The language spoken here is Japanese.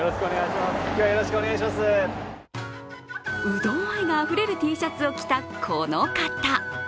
うどん愛があふれるＴシャツを着たこの方。